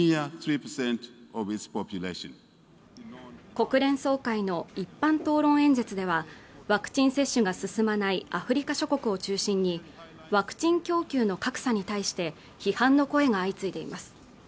国連総会の一般討論演説ではワクチン接種が進まないアフリカ諸国を中心にワクチン供給の格差に対して批判の声が相次いでいます